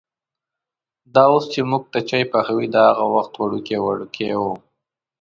دا اوس چې مونږ ته چای پخوي، دا هغه وخت وړوکی وړکی و.